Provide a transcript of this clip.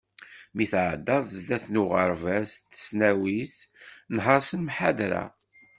Mi d-tɛeddaḍ sdat n uɣerbaz d tesnawit, nher s lemḥadra.